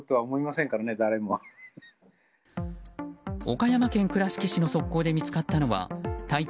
岡山県倉敷市の側溝で見つかったのは体長